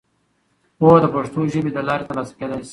پوهه د پښتو ژبې له لارې ترلاسه کېدای سي.